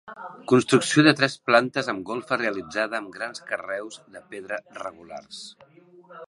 Construcció de tres plantes amb golfa realitzada amb grans carreus de pedra regulars.